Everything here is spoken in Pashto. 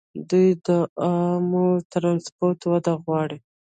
دوی د عامه ټرانسپورټ وده غواړي.